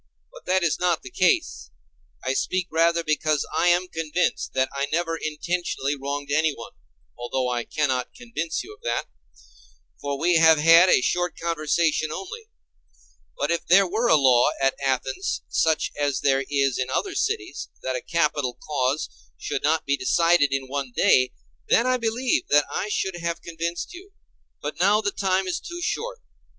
But that is not the case. I speak rather because I am convinced that I never intentionally wronged anyone, although I cannot convince you of that—for we have had a short conversation only; but if there were a law at Athens, such as there is in other cities, that a capital cause should not be decided in one day, then I believe that I should have convinced you; but now the time is too short.